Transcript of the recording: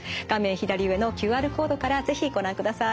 左上のＱＲコードから是非ご覧ください。